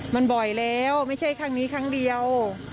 มันบ่อยแล้วไม่ใช่ครั้งนี้ครั้งเดียว